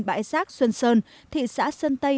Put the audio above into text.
bãi rác xuân sơn thị xã sơn tây